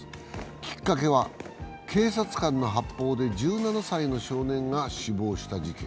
きっかけは警察官の発砲で１７歳の少年が死亡した事件。